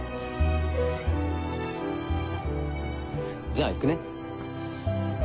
じゃあ行くね。